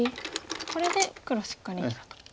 これで黒しっかり生きたと。